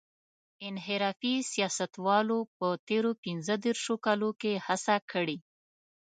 انحرافي سیاستوالو په تېرو پينځه دېرشو کلونو کې هڅه کړې.